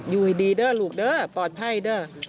อยู่ดีด้วยลูกด้วยปลอดภัยด้วย